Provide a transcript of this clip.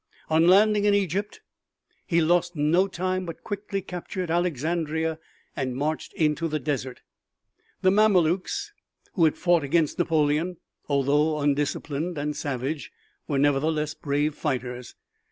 On landing in Egypt he lost no time, but quickly captured Alexandria and marched into the desert. The Mamelukes who fought against Napoleon, although undisciplined and savage, were nevertheless brave fighters.